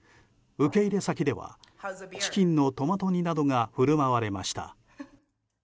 受け入れ先ではチキンのトマト煮などが振る舞われました。